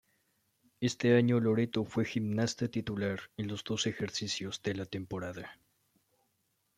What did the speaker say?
Este año Loreto fue gimnasta titular en los dos ejercicios de la temporada.